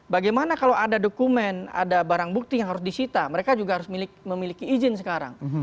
bagaimana kalau ada dokumen ada barang bukti yang harus disita mereka juga harus memiliki izin sekarang